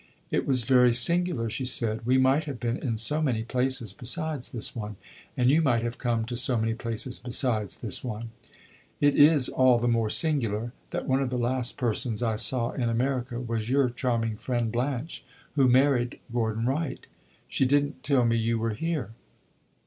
"It was very singular," she said. "We might have been in so many places besides this one. And you might have come to so many places besides this one." "It is all the more singular, that one of the last persons I saw in America was your charming friend Blanche, who married Gordon Wright. She did n't tell me you were here."